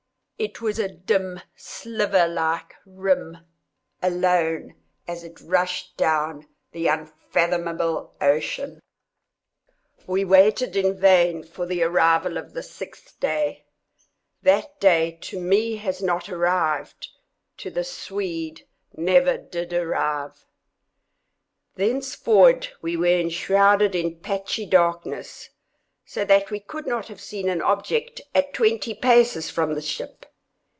It was a dim, sliver like rim, alone, as it rushed down the unfathomable ocean. We waited in vain for the arrival of the sixth day—that day to me has not yet arrived—to the Swede, never did arrive. Thenceforward we were enshrouded in patchy darkness, so that we could not have seen an object at twenty paces from the ship.